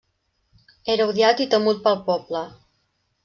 Era odiat i temut pel poble.